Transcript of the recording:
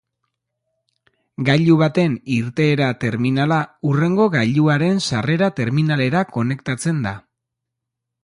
Gailu baten irteera-terminala hurrengo gailuaren sarrera-terminalera konektatzen da.